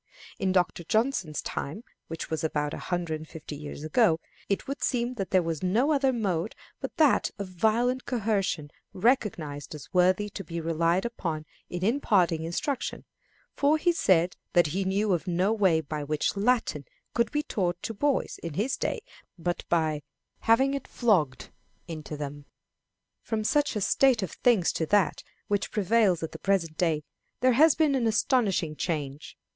In Dr. Johnson's time, which was about a hundred and fifty years ago, it would seem that there was no other mode but that of violent coercion recognized as worthy to be relied upon in imparting instruction, for he said that he knew of no way by which Latin could be taught to boys in his day but "by having it flogged into them." From such a state of things to that which prevails at the present day there has been an astonishing change.